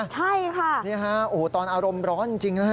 ใช่ค่ะนี่ฮะโอ้โหตอนอารมณ์ร้อนจริงนะฮะ